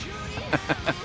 ハハハハハ。